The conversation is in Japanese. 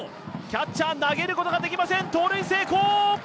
キャッチャー投げることができません盗塁成功！